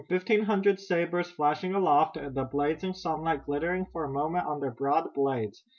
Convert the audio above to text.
Fifteen hundred sabers flashed aloft, the blazing sunlight glittering for a moment on their broad blades.